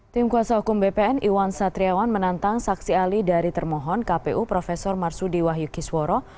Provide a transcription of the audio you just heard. tim kuasa hukum bpn iwan satriawan menantang saksi ahli dari termohon kpu prof marsudi wahyu kisworo